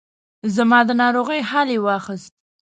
زما د ناروغۍ حال یې واخیست.